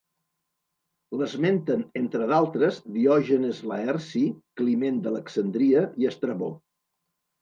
L'esmenten entre d'altres Diògenes Laerci, Climent d'Alexandria i Estrabó.